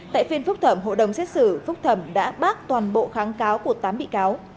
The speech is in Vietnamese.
tại phiên phúc thẩm hộ đồng xét xử phúc thẩm đã bác toàn bộ kháng cáo của tám bị cáo